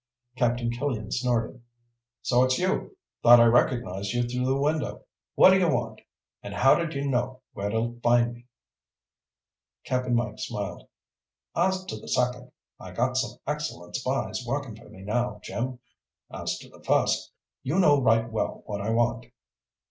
Captain Killian snorted. "So it's you. Thought I recognized you through the window. What d'you want? And how did you know where to find me?" Cap'n Mike smiled. "As to the second, I got some excellent spies working for me now, Jim. As to the first, you know right well what I want."